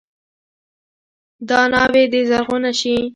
دا ناوې دې زرغونه شي.